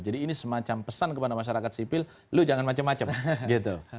jadi ini semacam pesan kepada masyarakat sipil lu jangan macam macam gitu